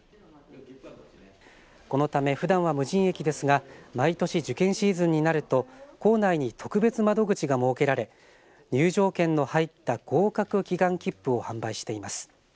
このため、ふだんは無人駅ですが毎年、受験シーズンになると構内に特別窓口が設けられ入場券の入った合格祈願きっぷを販売しています。